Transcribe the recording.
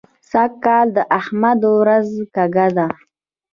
سږ کال د احمد ورځ کږه ده.